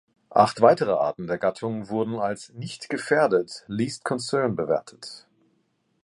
Acht weitere Arten der Gattung wurden als "nicht gefährdet" („Least Concern“) bewertet.